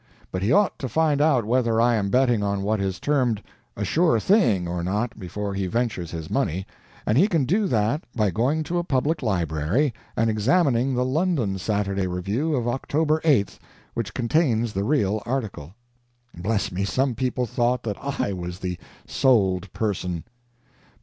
But he ought to find out whether I am betting on what is termed "a sure thing" or not before he ventures his money, and he can do that by going to a public library and examining the London Saturday Review of October 8th, which contains the real critique. Bless me, some people thought that I was the "sold" person!